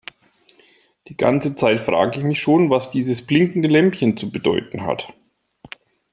Die ganze Zeit frage ich mich schon, was dieses blinkende Lämpchen zu bedeuten hat.